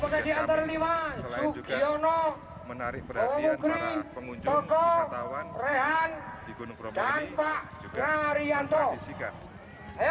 selain juga menarik perhatian para pengunjung wisatawan di gunung bromo ini juga dikantisikan